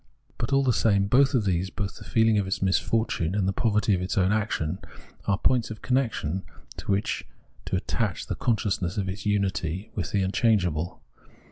But all tbe same both of these, both the feeling of its misfortune and the poverty of its own action, are points of connection to wbicb to attach the consciousness of its unity with the unchangeable.